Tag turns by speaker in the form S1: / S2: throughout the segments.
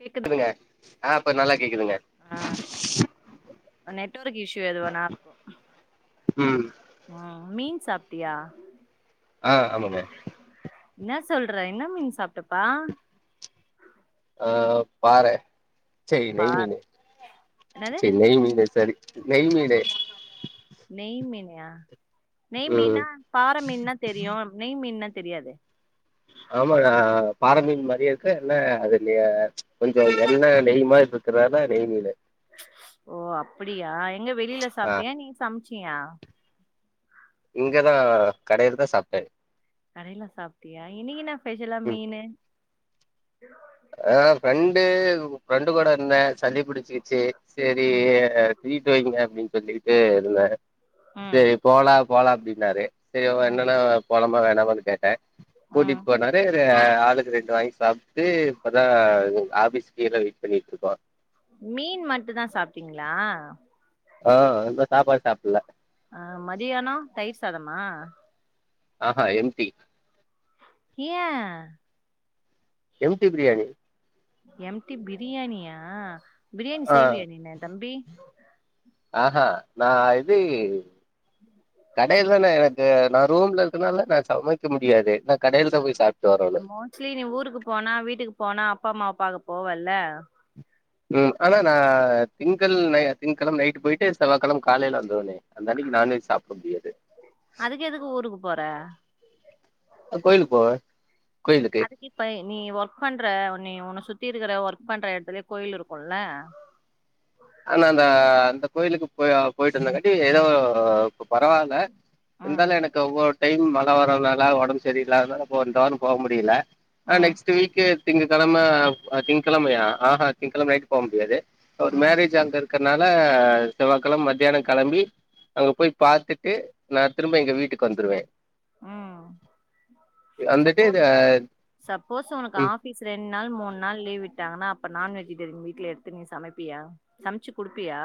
S1: கேக்குதா
S2: கேக்குதுங்க ஆ இப்ப நல்லா கேக்குதுங்க
S1: ஆ நெட்வொர்க் இஷ்யூ எதுவன்னா இருக்கு
S2: ம்
S1: ம் மீன் சாப்டியா?
S2: ஆ ஆமாங்க
S1: என்ன சொல்ற என்ன மீன் சாப்டப்பா
S2: ஆ பாற செய் நெய்
S1: பாற
S2: மீனு
S1: என்னது
S2: செயி நெய் மீனு சரி நெய் மீனு
S1: நெய் மீனாய நெய்
S2: ம்
S1: மீன்னா பாற மீன்னா தெரியு நெய் மீன்னா தெரியாது
S2: ஆமாங்க நா பாற மீன் மாரியே இருக்கு என்ன அதுக்கு கொஞ்ச எண்ணெ நெய் மாரி இருக்குறானா நெய் மீனு
S1: ஓ அப்டியா எங்க வெளியல
S2: ஆ
S1: சாப்ட்டியா நீ சம்ச்சியா
S2: இங்கதா கடைலாதா சாப்ட்டே
S1: கடைலா சாப்ட்டியா இன்னிக்கி ன்னா பெஷல்லா
S2: ம்
S1: மீனு
S2: ஆ ஃப்ரண்டு ம் ஃப்ரெண்டு கூட இருந்தே சளி புடிச்சிச்சு சரி
S1: ம்
S2: ட்ரீட்டு வைங்க அப்டின்னு சொல்லி ஏ இல்ல
S1: ம்
S2: சரி போலாப் போலாம் அப்டின்னாரு சரிய
S1: ம்
S2: என்னன்னா போலாம வே நம்ம கிட்ட ஆ
S1: ம்
S2: கூட்டிட் போனாரு ஆளுக்கு ரெண்டு வாங்கி சாப்ட்டு அப்பதா ஆஃபீஸ கீழே வெயிட் பண்ணிட் இருப்போ
S1: மீன் மட்டுந்தா சாப்ட்டீங்களா
S2: ஆ இன்னு சாப்பாடு சாப்புல்ல
S1: அ மதியானம் தயிர் சாதமா
S2: ஆஹ எம்பி
S1: ஏ
S2: எம்டி பிரியாணி
S1: எம்டி பிரியாணியா பிரியாணி
S2: ஆ
S1: செய்வியா நீனு தம்பி
S2: ஆஹ நா இது கடைலானே நா ரூம்ல இருக்கறனால நா சமைக்க முடியாது நா கடையல தா போய் சாப்
S1: மோஸ்ட்லி நீ ஊருக்கு போனா வீட்டுக்கு போனா அப்பா அம்மா பா பாக்க போவல்ல
S2: ம் ஆனா நா திங்கள் நை திங்க்கிழம் நைட் போயிட்டு செவ்வாகிழம காலையல வந்த உடனே அந்த அன்னிக்கு நான்வெஜ் சாப்ட முடியாது
S1: அதுக்கு எதுக்கு ஊருக்கு போற
S2: அ கோயிலுக் போவெ
S1: அதுக்கிப்ப நீ ஒர்க் பண்ற நீ உன்ன சுத்தி இருக்குற ஒர்க் பண்ற எடத்துலே கோயில் இருக்குல்ல
S2: ஆனா அந்த அந்த கோயிலுக்கு போய போயிட்டு இருந்தங்காட்டி ஏதோ இப்ப பரவால்ல
S1: ம்
S2: இந்தாலு எனக்கு [unintelligible] டைம் மழ வறதுனால ஒடம் சரி இல்லாதனால போ இந்த வாரொ போ முடியில ஆ
S1: ம்
S2: நெக்ஸ்ட்டு வீக்கு திங்ககழம ஆ திங்கழமயா ஆஹா திங்கழம நைட் போ முடியாது அவர்
S1: ம்
S2: மேரேஜ் இருக்கற்னால செவ்வாகழம் மத்தியான கெளம்பி அங்க போய் பாத்துட்டு நா திரும்ப எங்க வீட்டுக்கு வந்துருவே
S1: ம்
S2: வந்துட்டு
S1: சப்போஸ்
S2: இது
S1: [inaudible] சப்போஸ் ஒனக்கு
S2: ம்
S1: ஆஃபிஸ் ரெண் நாள் மூண் நாள் லீவ் விட்டாங்கனா அப் இப்ப நான் வெஜிடேரியன் வீட்ல எடுத்து நீ சமப்பியா சமச்சு குடுப்பியா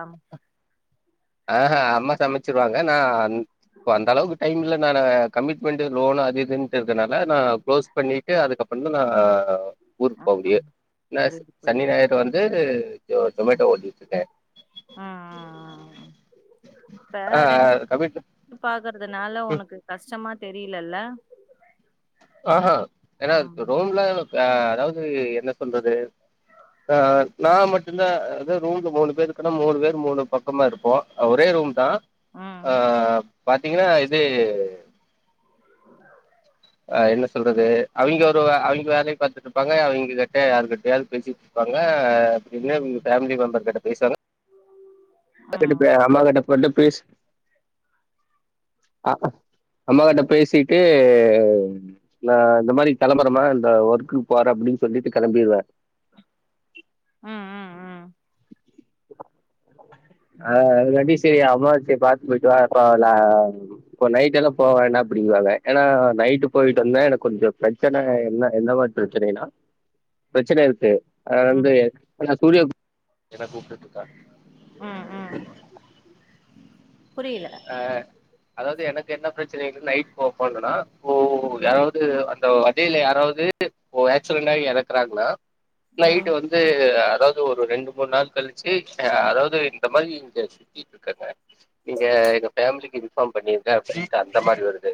S2: ஆஹா அம்மா சமச்சிருவாங்க நா அன் இப்ப அந்தளவுக்கு டைம் இல்ல நானு கமிட்மெண்ட்டு லோனு அது இதுன்ட்டு இருக்கனால நா க்ளோஸ் பண்ணிட்டு அதுக்கப்றந்தா நா ஊருக்கு போ முடியு
S1: ம்
S2: ந
S1: புரியுது
S2: சனி
S1: புரியுது
S2: ஞாயிறு வந்து ஓ
S1: ம்
S2: ஜொமேட்டோ ஒட்டிட்ருக்கே
S1: ம் ம், ம். இப்ப ரெண்டு [inaudible] பாக்குறதுனால ஒனக்கு கஷ் ச்சமா தெரியிலல்ல
S2: ஆஹா என்ன ரூம்ல ஆ அதாவ்து என்ன சொல்றது ஆ நா மட்டு்ந்தா அதாது ரூம்ல மூணு பேருக்கொன்னா மூணு பேர் மூணு பக்கமா இருப்போ ஒரே ரூம் தா ஆ
S1: ம்
S2: பாத்தீங்கனா இது அ என்ன சொல்றது அவிங்க ஒ ரு அவிங்க வேலய பாத்துட்ருப்பாங்க அவிங்க கிட்ட யாரு கிட்டயாது பேசிட்ருப்பாங்க ஆ அப்டின்னு உங்க
S1: ம்
S2: ஃபேமிலி மெம்பர் கிட்ட பேசுவாங்க
S1: ம்
S2: [unintelligible] அம்மா கிட்ட வந்த பேசு அ அம்மா கிட்ட பேசிட்டு நா இந்த மாரி கெளம்புறம்மா இந்த ஒர்குக்கு போறே அப்டின் சொல்லிட்டு கெளம்பிருவே
S1: ம் ம் ம்
S2: அ அதுங்காட்டி செரி அம் மாச்செ பாத்து போயிட்டு வா இப்ப லாம் இப்ப நைட்டெல்லா போவேனா அப்டிங்குவாங்க ஏனா நைட்டு போயிட்டு வந்தா எனக் கொஞ்சொ பிரச்சன என்ன எந்த மாரி பிரச்சனைனா பிரச்சன இருக்கு அது
S1: ம் ம்
S2: வந்து [unintelligible] [unintelligible] கேட்டா‌ கூப்டுட்ருக்கா
S1: ம் ம் புரியல
S2: அ அதாவ்து எனக்கு என்ன பிரச் சனைன நைட் போ போனனா இப்போ யாராவுது அந் தோ வண்டில யாராவு. து இப்பொ ஆக்சிடென்டாயி எறக்குறாங்னா
S1: ம்
S2: நைட்டு் வந்து அதாவுது ஒரு ரெண்டு மூண் நாள் கழி ச்சு அதாவு து இந்த மாரி இங்க சுத்திட்ருக்கங்க நீங்க எங்க ஃபேமிலிக்கு இன்பார்ம் பண்ணிருங்க அப்டின்ட்டு அந்த மாரி வருது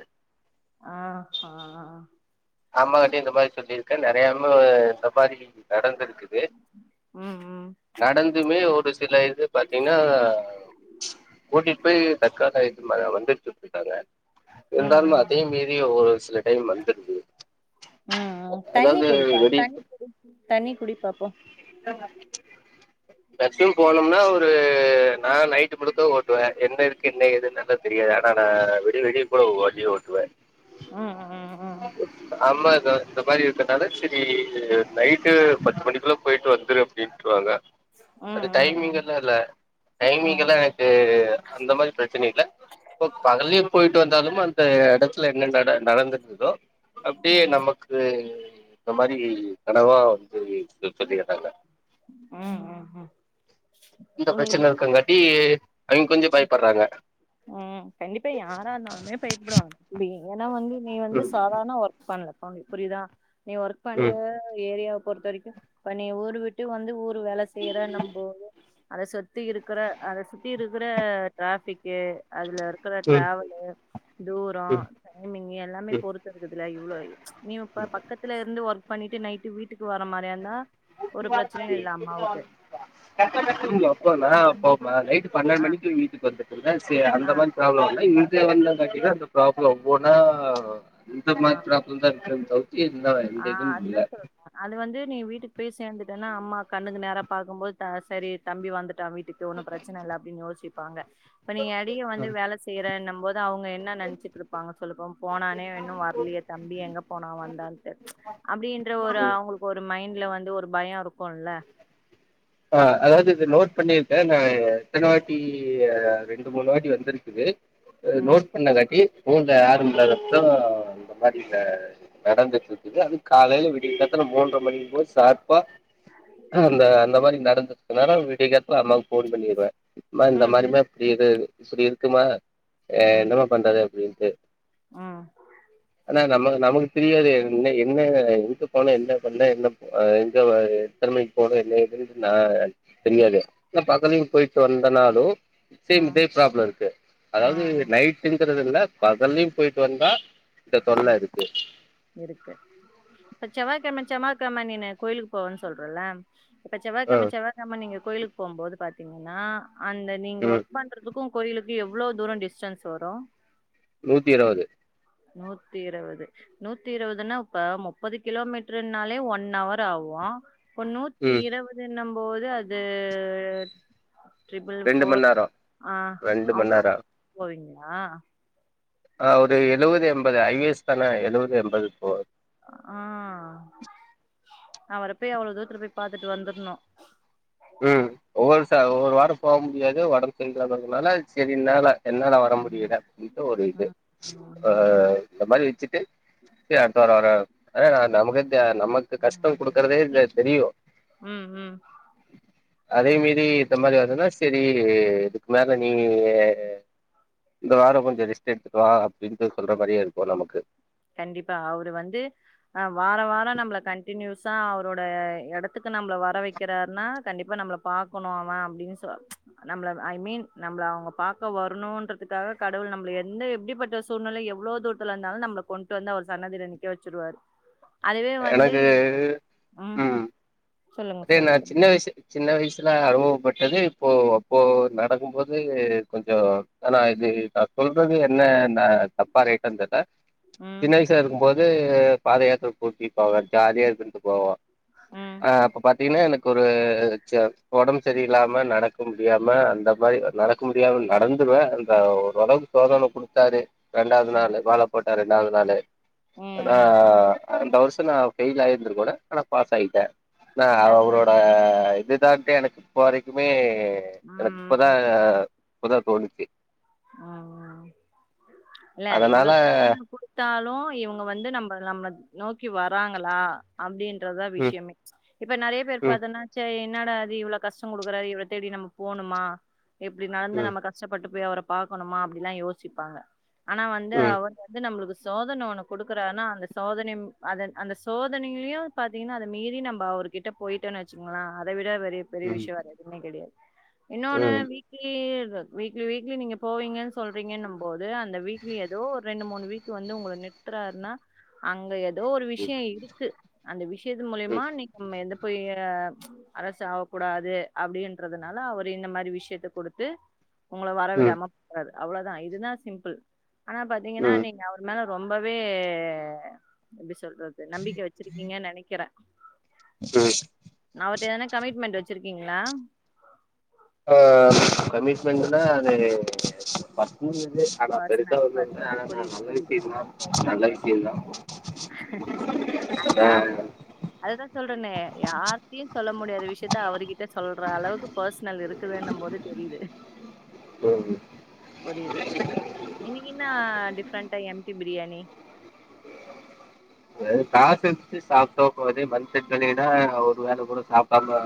S1: ஆஹா
S2: அம்மா கிட்டயு இந்த மாரி சொல்லிருக்க நெறயவு இந்த மாரி நடந்துருக்குது
S1: ம் ம்
S2: நடந்துமே ஒரு ஒரு சில இது பாத்தீங்னா கூட்டிட் போய் [unintelligible] [unintelligible] மந்துருச்சு வுட்ருக்காங்க
S1: ம்
S2: இருந்தாலு
S1: ம்
S2: அதயு மீறி ஒரு சில டைம் வந்துருது
S1: ம் ம் தண்ணி
S2: அதாவ்து
S1: குடிப்பா
S2: வெடி
S1: தண்ணி தண்ணி குடிப்பா போ
S2: [unintelligible] போனொம்னா ஒரு நாங்க நை ட்டு மட்டுதா ஓட்டுவே என்ன இருக்கு என்ன ஏதுன்னல்லா தெரியாது ஆனா நா விடி விடிய கூட வண்டி ஓட்டுவே
S1: ம் ம் ம் ம்
S2: அம்மாதா இந்த மாரி இருக்கதால சரி நைட்டு பத்து மணிக்குள்ள போயிட்டு வந்துரு அப்டின்ட்ருவாங்க
S1: ம்
S2: அது
S1: ம்
S2: டைமிங்
S1: ம்
S2: எல்லா இல்ல டைமிங்
S1: ம்
S2: எல்லா எனக்கு அந்த மாரி பிரச்சன இல்ல இப்ப பகல்லயு போயிட்டு வந்தாலுமே அந்த எடத்துல என்ன நட நடந்துட்ருக்கோ அப்டியே
S1: ம்
S2: நமக்கு இந்த மாரி கனவா வந்து [unintelligible]
S1: ம் ம் ம் ஒனக்கு [inaudible]
S2: அவுங் கொஞ்ச பயப்பட்றாங்க
S1: ம் கண்டிப்பா யாரா இருந்தாலுமே பயப்டுவாங்க பி உ ஆனா வந்து நீ வந்து
S2: ம்
S1: சாதாரண ஒர்க் பண்ணல அவுங்க புரியுதா நீ ஒர்க் பண்ற
S2: ம்
S1: ஏரியா பொறுத்த வரைக்கு இப்ப நீ ஊரு விட்டு வந்து ஊர் வேல செய்ற நம்ப அத சொத்தி இருக்குற அத சுத்தி இருக்குற டிராபிக் ஏ அதுல இருக்ற
S2: ம்
S1: டிராவலு தூரோ
S2: ம்
S1: டைமிங்கி எல்லாமே பொறுத்து இருக்குதுல இவ்ளோ நீயு இப்ப பக்கத்துல இருந்து ஒர்க் பண்ணிட்டு நைட்டு வீட்டுக்கு வர மாரியா இருந்தா ஒரு பிரச்சனையு இல்ல அம்மாவுக்கு
S2: அப்போ
S1: ஆனா
S2: நா
S1: தம்பி
S2: நைட்டு பன்னெண்டு
S1: ஆ
S2: மணிக்கு வீட்டுக்கு வந்தே என்னா விசிய
S1: ஆ
S2: அந்த மாதி்ரி ப்ராப்ளம் இல்ல பாத்தீங்னா அந்த ப்ராப்ளம் ஒவ்வொன்னா இந்த
S1: ஆ
S2: மாதிரி பிராப்ளம் தா இருக்காது இருந்தா
S1: ஆ அது
S2: எந்ததுமில்ல
S1: அது வந்து நீ வீட்டுக்கு போய் சேர்ந்துட்டேனா அம்மா கண்ணுக்கு நேரா பாக்கும்போது சரி தம்பி வந்துட்டு வீட்டுக்கு ஒன்னு பிரச்சன இல்ல அப்டின்னு யோசி இருப்பாங்க இப்ப நீ எடையே வந்து
S2: இல்ல
S1: வேல செய்றேனம் போது அவுங்க என்ன நெனச்சுட்டு இருப்பாங்க சொல்லுபோ போனானே இன்னு வரலயே தம்பி எங்க போனா வந்தா அப்டீன்ற ஒரு அவுங்களுக்கு ஒரு மைண்ட்ல வந்து ஒரு பய இருக்கு
S2: ஆ அதாவது இது நோட் பண்ணிருக்கேன் எத்தன வாட்டி ரெண்டு மூனு வாட்டி வந்திருக்குது
S1: ம்
S2: நோட் பண்ணா காட்டி வீட்ல ஆறும் இல்லாதப்ப இந்த மாதிரில நடந்துட்டு இருக்குது அதுங் காலேல விடியக்காத்தால மூன்ற மணிக்கு போய் சார்பா அ
S1: ம்
S2: அந்த அந்த மாதிரி நடந்த விடியகாத்தால அண்ணாவுக்கு ஃபோன் பண்ணிருவே ப்ம இந்த
S1: ம்
S2: மாரிமா எப்பிடி இத இது இப்பிடி இருக்குமா ஏ
S1: ம்
S2: என்னமா பண்றது அப்பிடின்னு செ
S1: ம்
S2: ட்ட நமக்கு தெரியாது என்ன என்ன எங்க போன என்ன பண்ண என்ன ப எங்க அ திறமைக்கு போன என்ன இது நா தெரியாது என்ன பக்கல போயிட்டு வந்தனா ஹலோ சேம் இதே
S1: ம்
S2: ப்ராப்ள இருக்கு
S1: ம்
S2: அதாவது
S1: ம்
S2: நைட்டுங்கிறது விட பதல்லயு போயிட்டு வந்தா இந்த
S1: ம்
S2: தொல்ல இருக்கு
S1: இருக்கு க்கெழம நீனு கோயிலுக்கு போவன்னு சொல்றல்ல இப்ப
S2: ஆ
S1: செவ்வாகெம செவ்வாகெம நீங்க கோயிலுக்கு போம்போது பாத்தீங்கன்னா அந்த நீங்க
S2: ம்
S1: ஒர்க் அன்ட்ரதுக்கு கோயிலுக்கு எவ்வளோ தூரோ டிஸ்டன்ஸ் வரு
S2: நூத்தி இருவது
S1: நூத்தி இருவது நூத்தி இருவதுன்னா இப்ப முப்பது கிலோமீட்டருனாலே ஒன் அவர்ராவு இப்ப நூத்தி
S2: ம்
S1: இருவது நா போது அது ட்ரிபுல்
S2: ரெண்டு மண்
S1: ஃபோர்
S2: நேரோ ரெண்டு மணி நேரொ
S1: போறிங்களா
S2: ஆ ஒரு எழுவது எண்பது ஐயேஎஸ் தானா எழுவது எண்பது போ
S1: ஆ அவர போய் அவ்ளோ தூத்துல போய் பாத்துட்டு வந்துருணு
S2: ம் ஒவ்வொரு ச ஒரு வாரம் போ முடியாது வ [unintelligible] னால செரினால என்னால் வர
S1: ம்
S2: முடியலத்த ஒரு இது
S1: ம்
S2: ஆ
S1: ம்
S2: இந்த மாரி வச்சிட்டுத் அடுத்த வரோ வர கல்யாண ஆன நமக்கே த நமக்கு கஷ்டம் கொடுக்குறதே இந்த
S1: ம்
S2: தெரியு
S1: ம் ம்
S2: அதே மேரி இந்த மாரி வருதுன்னா சேரி இதுக்கு மேல நீ இந்த வாரோ கொஞ்சோ ரெஸ்ட் எடுத்துக்கோ அப்பிடின்ட்டு சொல்ற மாரியே இருக்கு நமக்கு
S1: கண்டிப்பா அவரு வந்து அ வாரோ வாரோ நம்மள கண்டினியூஸா அவரோட இடத்துக்கு நம்மள வர வைக்கிறாருனா கண்டிப்பா நம்மள பாக்கணு அவன் அப்பிடின்னு சொ நம்மள ஐ மீன் நம்மள அவங்க பாக்க வரணும்ன்றதுக்காக கடவுள் நம்மள எந்த எப்பிடிப்பட்ட சூழ்நிலை எவ்வளவு தூரத்துல இந்தாலும் நம்மள கொண் ட்டு வந்தா அவரு சன்னதில நிக்கவச்சிருவாரு அதுவே வந்து
S2: எனக்கு
S1: ம் சொல்லுங்க
S2: அது என்ன
S1: சொல்லு சொல்லு
S2: சின்ன வைசு சின்ன வைஸ் எல்ல அனுபவப்பட்டது இப்போ அப்போ நடக்கும் போது கொஞ்சோ ஆனா இது நா சொல்றது என்ன னா தப்பா ரைட்டான் தெர்ல
S1: ம்
S2: சின்ன வைசா இருக்கும் போது வந்து பாதயாத்திர கூட்டிட் போவ ஜாலியா இழுத்துகிட்டு போவோ
S1: ம்
S2: ஆ அப்ப பாத் திங்னா எனக்கு ஒரு சே ஒடம் செரியில்லாம நடக்க முடியாம அந்த மாரி அ நடக்க முடியாம நடந்துருவ அந்த ஓரளவுக்கு சோதன குடுத்தாரு ரெண்டாவது
S1: ம்
S2: நாளு மால போட் ட ரெண்டாவது நாளே
S1: ம்
S2: அனா
S1: ம்
S2: அந்த வருஷோ நா ஃபெயில் ஆய்ருந்துக்கனு ஆனா பாஸ் ஆய்ட்ட ந அவ்ரோட
S1: ம்
S2: இதுதா தே எனக்கு இப்பரைக் இதுமே மே எனக் இப்ப தா
S1: ம்
S2: இப்ப தா தோணுச்சு
S1: ம் ம் இல்ல இவ்ளோ
S2: அதனால
S1: சோதன குடுத்தால் ஸ்லோ இவ்ங்க வந்து நம்பள நம்ள நோக் கி வராங்களா அப்டின்றதா
S2: ம்
S1: விஷ்யமே இப்ப நறைய பேரு
S2: ம்
S1: பாத்தனா செய் என்னடா இது இவ்ளோ கஷ்டோ குடுக்குறாறு இவர் தேடி நம்ம போணுமா இப்டி நடந்து
S2: ம்
S1: நம்ம கஷ்டப்பட்டு வே வரம் பாக்கணுமா அப்டிலா யோசிப்பாங்க ஆனா வந்து
S2: ம்
S1: அவர் வந்து நம்ளுக்கு சோதன ஒன்னு குடுக்குறனா அந்த சோதனையும் அத அந்த சோதனையிலியு பாத்தீங்கனா அத மீறி நம்ப அவர் கிட்ட போய்டனு வச்சுங்கள அத விட வே பெ பெரிய
S2: ம்
S1: விஷ்யோ வேற எதுமே கெடையாது இன்னொன்னு
S2: ம்
S1: வீட்லியே இது அது வீக்லி வீக்லி நீங்க போவீங்கன்னு சொல்றீங்கன்னும் போது அந்த வீக்லி ஏதோ ஒரு ரெண்டு மூணு வீக் வந்து உங்கள நிருத்றாருனா அங்க ஏத் ஏதோ ஒரு விஷ்யோ இருக்கு அந்த விஷ்யத்
S2: ம்
S1: மூலியமா இன்னைக் நம்ம எந்தப் போய்றாப் அரசு ஆவ் கூடாது அப்டின்றதுனால அவரு இந்த மாரி விஷ்யத்த குடுத்து உங்கள வர
S2: ம்
S1: விடாமப் றர் அவ்வளோதா இதுதா சிம்புள் ஆனா பாத்தீங்கன்னா
S2: ம்
S1: நீங்க அவர் மேல ரொம்பவே பிஸ் சொல்றது நம்பிக்க வச்சிருக்கீங்கனு நெனைக்கிறே
S2: ம்
S1: அவர்ட்ட ஏனா கமிட்மெண்ட் வச்சிருக் க்கீங்களா
S2: ஆ கமிட்மெண்ட்னா அது பத்மு
S1: பர்சனல் பர்சனல் புரியுது புரியுது
S2: விஷயந்தா
S1: புரியுது பர்சனல்
S2: நல்ல விஷயந்தா
S1: அது
S2: ஆ
S1: அவரு அதுதா சொல்றனே யார்டியு சொல்ல முடியாத விஷயத்த அவர்கிட்ட சொல்ற அளவுக்கு பர்சனல் இருக்குதுன்னு போது தெரியுது
S2: ம் ம்
S1: புரியுது புரியுது இன்னக்கு என்னா டிஃரெண்டா எம்டி பிரியாணி
S2: அதது காசுச்சு சாப்பிட்டோபோதே மண் செட்லினா ஒரு வேல கூட சாப்பிடாம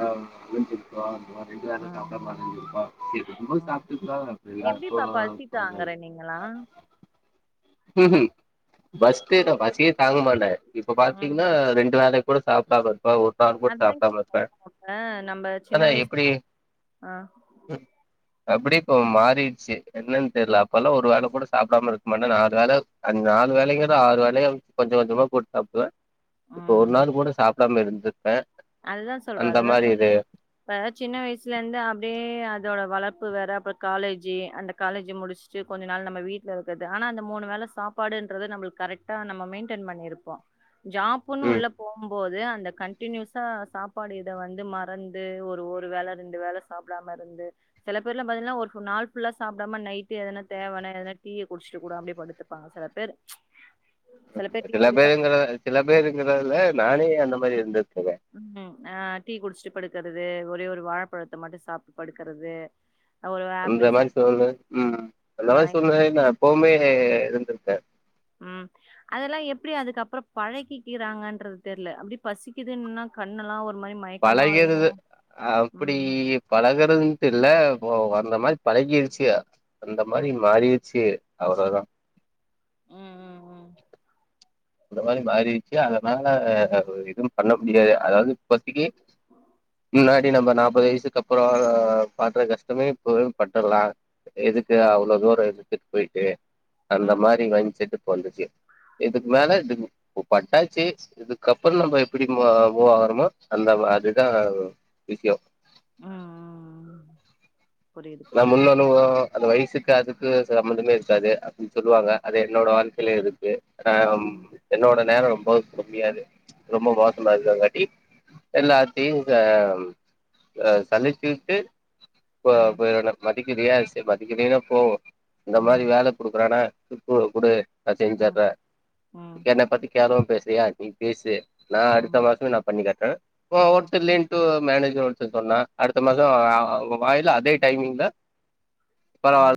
S2: விழஞ்சிருக்கு
S1: ம் ம் ம் எப்டிப்பா பசிக்கு ஆங்கற நீங்களா
S2: [unintelligible] ம்ம் பஸ்டேத பசி தாங்கமாட்டே இப்ப பாத்தீங்கன்னா ரெண்டு வேலக் கூட சாப்டாம இருப்பே ஒரு நாள் கூட
S1: அதுதா
S2: சாப்டாம இருப்பே
S1: ஆ நம்ம சின்ன
S2: ஆனா
S1: வயஸ்
S2: எப்டி
S1: ஆ
S2: அப்பிடிக்கோ மாறி ச்சி என்னெனு தெரியல அப்பெல்லா ஒரு ரு வேல கூட சாப்படாம இருக்கமாட்டே நா வேல க நாலு வேலங்கற ஆறு வேலயா கொஞ்ச கொஞ்சோமா போட்டு சாப்புடுவே இப்ப ஒரு
S1: ம்
S2: நாள் கூட சாப் டாம இருந்துப்பே
S1: அதுதா சொல்றோ அதுதா சொல்ற இப்ப சின்ன வயசுல இந்து அப்பிடியே அதோட வளப் ப்பு வேற அப்புறோ காலேஜி அந்த காலேஜி முடிச்ஸ்ட்டு கொஞ்ச நாள் நம்ம வீட்டுல இருக்கறது ஆனா அந்த மூணு வேல சாப்பாடுன்றது நம்மளுக்கு கரெக்டா நம்ம மெயின்டெய்ண் பண்ணிருப்போ ஜாப்பூன்னு
S2: ம்
S1: உள்ள போம்போது அந்த கண்டினியூஸ் கா சாப்பாடு இத வந்து மறந்து ஒரு ஒரு வேல ரெண்டு வேல சாப்படாம இருந்து சில பேர்லா பாத்தீன்னா ஒரு நாள் ஃபுல்லா சாப்படாம நைட்டு எதனா தேவான எதனா டீய குடிச்சிட்டு கூட அப்டே படுத்துப்பாங்க சில பேரு
S2: சில பேருங்கற சில பேருங்கறதுல நானே அந்த மாரி இருந்த
S1: ம் அ டீ குடிச்சுட்டு படுக்கறது ஒரே ஒரு வாழப்பழத்த மட்டு சாப்படறது படுக்கறது ஒரு ஆப்பிள்
S2: அந்த மாரி
S1: சாப்
S2: சொல்லே ம் ம் அந்த
S1: ஆ
S2: மாரி சொல்லே நா எப்பவுமே இருந்திருக்க
S1: ம் அதெல்லாம் எப்டி அதுக்கப்புறம் பழகிக்கிறாங்கன்றது தெரியல அப்படி பசிக்குதுன்னா கண்ணெல்லாம் ஒரு மாரி மயக்கமா
S2: பழகிறது
S1: வரு
S2: அப்டி
S1: ம்
S2: பழகறது ட்டு இல்ல அந்த மாரி பழகிடுச்சி அந்த மாரி
S1: ம்
S2: மாறிச்சு அவ்ளோ தா
S1: ம் ம்
S2: அந்த மாரி மாறிடுச்சு அதனால எதும் பண்ண முடியாது அதாவது இப்போத்திக்கு இல்ல எப்பிடி நம்ப நாப்பது வயசுக்கு அப்புறம் பாத்த கஷ்டமே இப்பவும் பட்றலாம் எதுக்கு அவ்ளோ தூரம் எதுக்கு போயிட்டு
S1: ம்
S2: அந்த
S1: ம்
S2: மாரி மைன்செட்டு வந்துச்சி எதுக் மேல இதுக்கு பட்டாச்சி இதுக்கப்புறம் நம்ப எப்டி மூவாகறோமோ அந்த அதுதான் விஷியம்
S1: ம் ம் ம்
S2: நா முன்னால ஒ அந்த வயசுக்கு அதுக்கு சம்மந்தமே இருக்காது அப்பிடி சொல்லுவாங்க அது என்னோட வாழ்க்கையிலே இருக்கு ஆம்
S1: ம்
S2: என்னோட நேரம் ரொம்போ கம்மியாது ரொம்ப மோசமா இருக்கதாங்காட்டி எல்லாத்தையும் ஆ சழிச்சிக்கிட்டு போ
S1: ம்
S2: மதிக்கிறியா சரி மதிக்கலீனா போ இந்த மாரி
S1: ம்
S2: வேல குடுக்கறானா இப்போ குடு நா
S1: ம்
S2: செஞ்சர
S1: ம்
S2: என்ன பத்தி கேரும் பேசறியா நீ பேசு நா அடுத்த
S1: ம்
S2: மாசமே நான் பண்ணி காட் ஆ ஓ
S1: ம்
S2: ஒருத்தலேன்ட்டு மேனேஜ் இங்க ஒருத்த சொன்னா அடுத்த மாச வாயில அதே டைமிங் தா
S1: ம்
S2: பரவாயில்